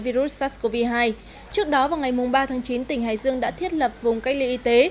virus sars cov hai trước đó vào ngày ba tháng chín tỉnh hải dương đã thiết lập vùng cách ly y tế